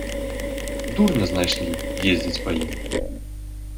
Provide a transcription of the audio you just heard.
Дурня знайшлі, ездзіць па ім!